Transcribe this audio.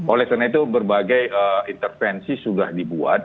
oleh karena itu berbagai intervensi sudah dibuat